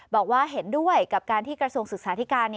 บอกว่าเห็นด้วยกับการที่กระทรวงศึกษาธิการ